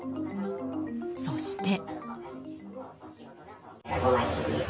そして。